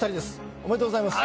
おめでとうございます。